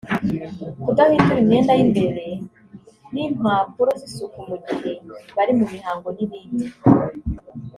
kudahindura imyenda y’imbere n’impapuro z’isuku mu gihe bari mu mihango n’ibindi